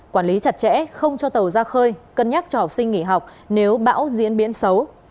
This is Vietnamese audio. quản lý chặt chẽ không cho tàu ra khơi cân nhắc cho học sinh nghỉ học nếu bão diễn biến xấu